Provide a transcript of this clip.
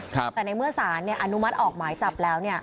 แต่ในเมื่อสารเนี่ยอนุมัติออกหมายจับแล้วเนี่ย